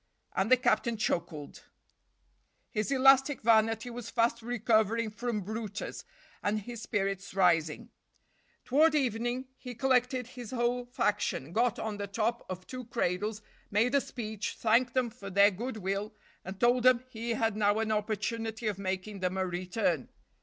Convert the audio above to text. And the captain chuckled. His elastic vanity was fast recovering from brutus, and his spirits rising. Toward evening he collected his whole faction, got on the top of two cradles, made a speech, thanked them for their good will, and told them he had now an opportunity of making them a return.